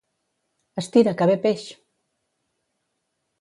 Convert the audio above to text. Estira, que ve peix!